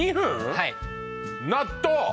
はい納豆！